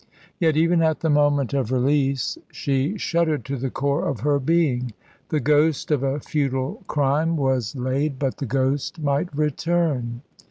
Yet, even at the moment of release, she shuddered to the core of her being. The ghost of a futile crime was laid, but the ghost might return.